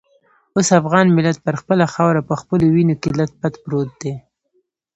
اوس افغان ملت پر خپله خاوره په خپلو وینو کې لت پت پروت دی.